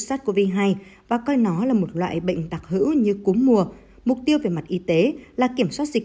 sars cov hai và coi nó là một loại bệnh đặc hữu như cúm mùa mục tiêu về mặt y tế là kiểm soát dịch